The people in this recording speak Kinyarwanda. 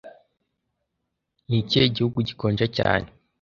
Ni ikihe gihugu gikonja cyane